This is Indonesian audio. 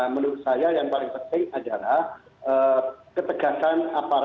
menurut saya yang paling penting adalah ketegasan aparat